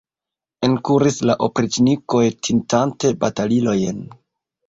Enkuris la opriĉnikoj, tintante batalilojn.